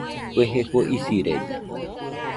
Kue jefo isirede